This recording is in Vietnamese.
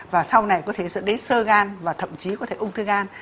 và sau này có thể dẫn đến sơ gan và thậm chí có thể ung thư gan